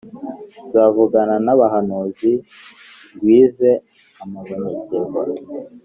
Nzavugana n’abahanuzi, ngwize amabonekerwa,